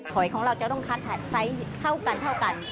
หอยของเราจะต้องคัดไซส์เท่ากัน